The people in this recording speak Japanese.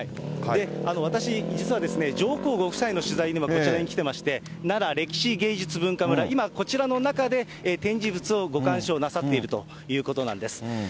私、実は上皇ご夫妻の取材で今、こちらに来ていまして、なら歴史芸術文化村、今、こちらの中で展示物をご鑑賞なさっているということなんです。